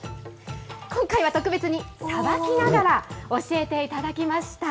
今回は特別に、さばきながら教えていただきました。